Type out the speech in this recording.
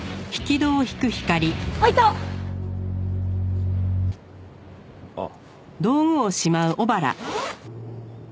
開いた！あっ。